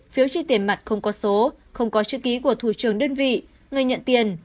phiếu chi tiền mặt không có số không có chữ ký của thủ trưởng đơn vị người nhận tiền